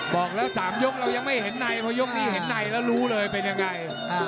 บอกแล้ว๓ยกเรายังไม่เห็นในเพราะยกนี้เห็นในแล้วรู้เลยเป็นยังไง